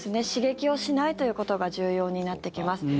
刺激をしないということが重要になってきます。